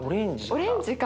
オレンジか。